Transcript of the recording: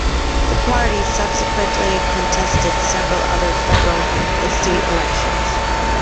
The party subsequently contested several other federal and state elections.